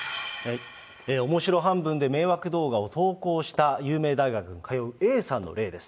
オモしろ半分で迷惑動画を投稿した、有名大学に通うＡさんの例です。